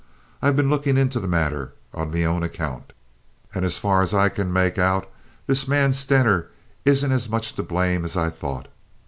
I've been lookin' into the matter on me own account, and as far as I can make out this man Stener isn't as much to blame as I thought.